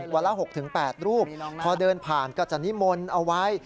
วันละ๖๘รูปพอเดินผ่านก็จะนิมนต์เอาไว้